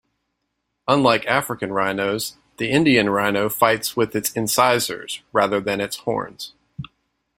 Unlike African rhinos, the Indian rhino fights with its incisors, rather than its horns.